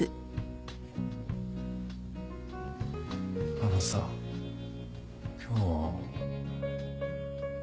あのさ今日。